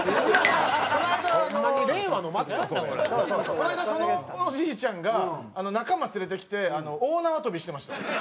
この間そのおじいちゃんが仲間連れてきて大縄跳びしてました。